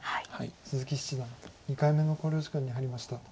鈴木七段２回目の考慮時間に入りました。